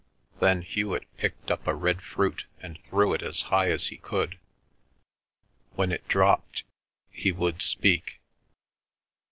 Then Hewet picked up a red fruit and threw it as high as he could. When it dropped, he would speak.